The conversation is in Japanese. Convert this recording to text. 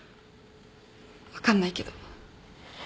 分かんないけど。